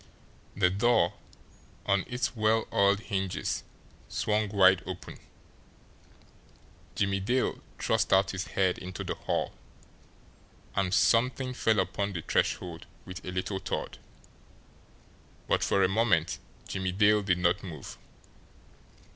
The door, on its well oiled hinges, swung wide open. Jimmie Dale thrust out his head into the hall and something fell upon the threshold with a little thud but for a moment Jimmie Dale did not move.